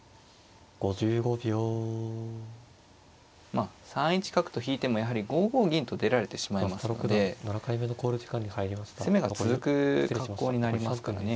まあ３一角と引いてもやはり５五銀と出られてしまいますので攻めが続く格好になりますからね。